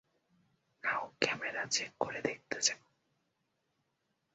নাও, camera check করে দেখতে চাও?